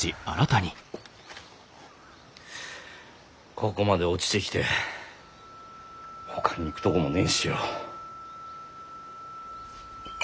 ここまで落ちてきてほかに行くとこもねえしよ。